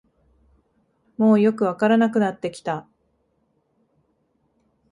もうよくわからなくなってきた